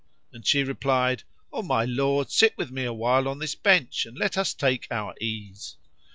and she replied, "O my lord sit with me a while on this bench and let us take our ease."